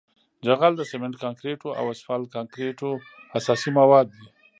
جغل د سمنټ کانکریټو او اسفالټ کانکریټو اساسي مواد دي